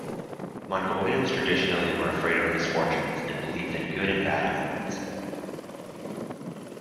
Mongolians traditionally were afraid of misfortunes and believe in good and bad omens.